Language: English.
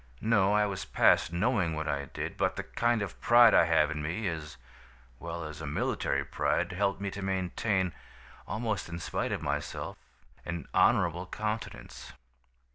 No, I was past knowing what I did; but the kind of pride I have in me, as well as a military pride, helped me to maintain, almost in spite of myself, an honorable countenance.